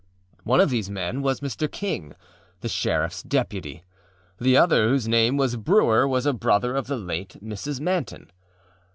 One of these men was Mr. King, the sheriffâs deputy; the other, whose name was Brewer, was a brother of the late Mrs. Manton.